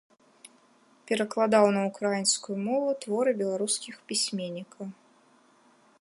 Перакладаў на ўкраінскую мову творы беларускіх пісьменнікаў.